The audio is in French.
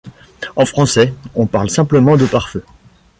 En français, on parle simplement de pare-feu.